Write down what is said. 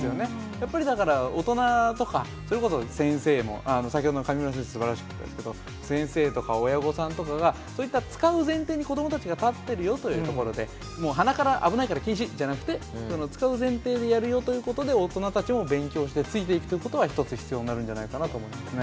やっぱりだから、大人とか、それこそ先生も、先ほどのかみむら先生、すばらしかったですけれども、先生とか親御さんとかが、そういった使う前提に子どもたちが立ってるよということで、もうはなから危ないから禁止じゃなくて、使う前提でやるよということで大人たちも勉強してついていくことが一つ必要になるんじゃないかなと思うんですね。